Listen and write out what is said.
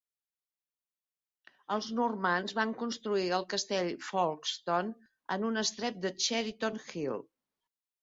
Els normands van construir el castell Folkestone en un estrep de Cheriton Hill.